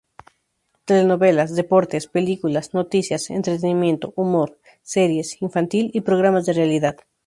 Telenovelas, Deportes, Películas, Noticias, Entretenimiento, humor, series, infantil y Programas de Realidad.